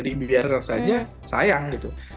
jadi biarkan saja sayang gitu